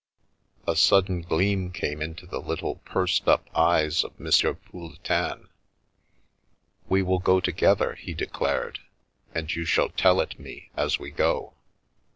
A sudden gleam came into the little pursed up eyes of M. Pouletin. " We will go together," he declared, " and you shall tell it me as we go."